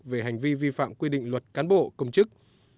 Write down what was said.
về hành vi vi phạm quy định luật cán bộ công chức